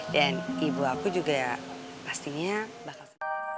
dan ibu aku juga pastinya bakal